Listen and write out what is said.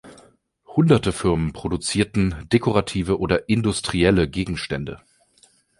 Hunderte Firmen produzierten dekorative oder industrielle Gegenstände.